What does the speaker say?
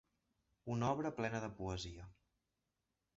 Una obra plena de poesia.